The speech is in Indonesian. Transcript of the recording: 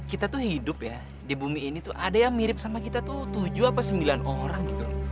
kita tuh hidup ya di bumi ini tuh ada yang mirip sama kita tuh tujuh atau sembilan orang gitu loh